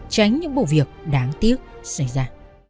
tránh những bộ việc đáng tiếc xảy ra